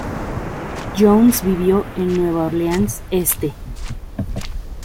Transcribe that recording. Jones vivió en Nueva Orleans Este.